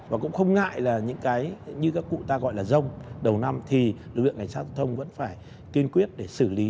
và cũng không ngại là những cái như các cụ ta gọi là dông đầu năm thì lực lượng cảnh sát giao thông vẫn phải kiên quyết để xử lý